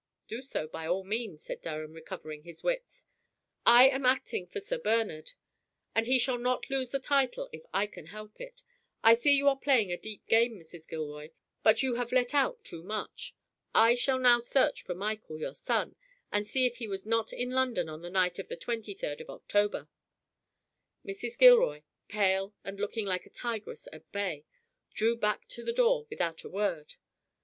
"Do so by all means," said Durham, recovering his wits. "I am acting for Sir Bernard, and he shall not lose the title if I can help it. I see you are playing a deep game, Mrs. Gilroy, but you have let out too much. I shall now search for Michael, your son, and see if he was not in London on the night of the twenty third of October." Mrs. Gilroy, pale and looking like a tigress at bay, drew back to the door without a word.